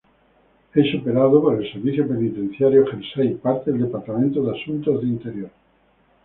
Es operado por el Servicio Penitenciario Jersey, parte del Departamento de Asuntos de Interior.